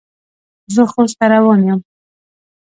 زه خوست ته روان یم.